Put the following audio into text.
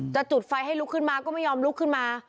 จุดไฟให้ลุกขึ้นมาก็ไม่ยอมลุกขึ้นมา